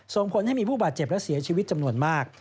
ส่งผลให้มีผู้บาดเจ็บและเสียชีวิตจำนวนมาก